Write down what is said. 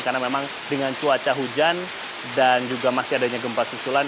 karena memang dengan cuaca hujan dan juga masih adanya gempas susulan